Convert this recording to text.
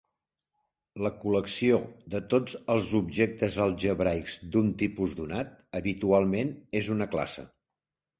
La col·lecció de tots els objectes algebraics d'un tipus donat habitualment és una classe.